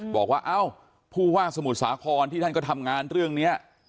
บอกว่าเอ้าผู้ว่าสมุทรสาครที่ท่านก็ทำงานเรื่องนี้